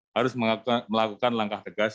harus melakukan langkah tegas